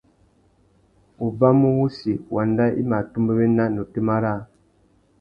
Ubamú wussi, wanda i mà atumbéwena na otémá râā.